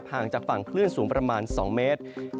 ห่างจากฝั่งคลื่นสูงประมาณ๒เมตร